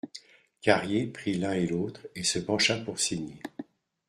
Carrier prit l'un et l'autre et se pencha pour signer.